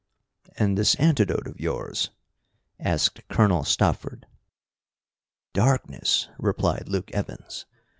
"And this antidote of yours?" asked Colonel Stopford. "Darkness," replied Luke Evans.